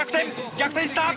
逆転した！